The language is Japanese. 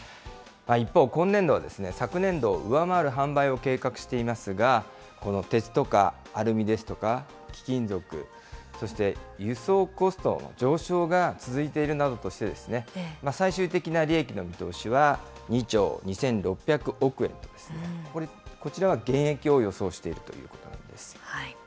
一方、今年度は昨年度を上回る販売を計画していますが、この鉄とかアルミですとか貴金属、そして輸送コストの上昇が続いているなどとして、最終的な利益の見通しは、２兆２６００億円と、これ、こちらは減益を予想しているということなんです。